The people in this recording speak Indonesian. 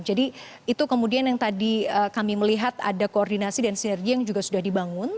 jadi itu kemudian yang tadi kami melihat ada koordinasi dan sinergi yang juga sudah dibangun